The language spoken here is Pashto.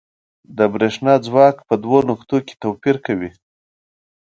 د برېښنا ځواک په دوو نقطو کې توپیر کوي.